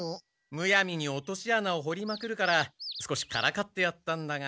むやみにおとし穴をほりまくるから少しからかってやったんだが。